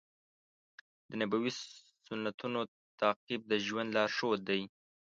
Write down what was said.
د نبوي سنتونو تعقیب د ژوند لارښود دی.